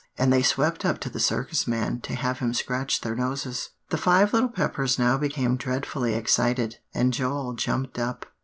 And they swept up to the Circus man to have him scratch their noses." The Five Little Peppers now became dreadfully excited. And Joel jumped up.